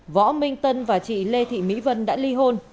võ minh tân và chị lê thị mỹ vân đã ly hôn